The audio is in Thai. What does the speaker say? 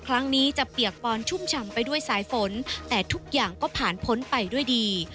ครั้งนี้จะเปียกปอนชุ่มฉ่ำไปด้วยสายฝนแต่ทุกอย่างก็ผ่านพ้นไปด้วยดี